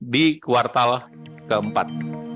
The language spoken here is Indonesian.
di kuartal keempat